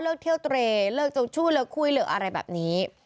เลิกเที่ยวเตรนเลิกเจ้าชู้เลิกคุยเลิกอะไรแบบนี้